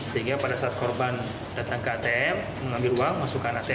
sehingga pada saat korban datang ke atm mengambil uang masukkan atm